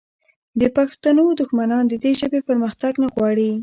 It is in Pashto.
د پښتنو دښمنان د دې ژبې پرمختګ نه غواړي